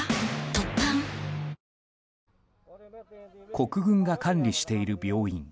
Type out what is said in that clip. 国軍が管理している病院。